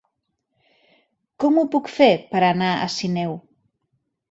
Com ho puc fer per anar a Sineu?